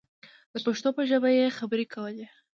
د پښتو په ژبه یې خبرې کولې.